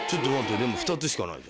でも２つしかない。